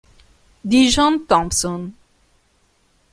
Dijon Thompson